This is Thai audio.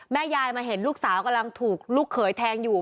ยายมาเห็นลูกสาวกำลังถูกลูกเขยแทงอยู่